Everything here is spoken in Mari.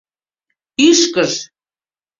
— «Ӱшкыж»!